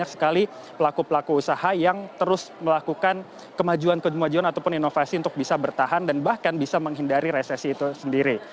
banyak sekali pelaku pelaku usaha yang terus melakukan kemajuan kemajuan ataupun inovasi untuk bisa bertahan dan bahkan bisa menghindari resesi itu sendiri